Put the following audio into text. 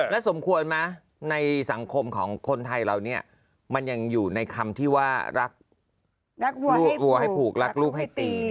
แล้วสมควรไหมในสังคมของคนไทยเราเนี่ยมันยังอยู่ในคำที่ว่ารักลูกวัวให้ผูกรักลูกให้ตี